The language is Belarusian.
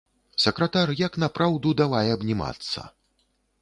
Сакратар як напраўду давай абнімацца.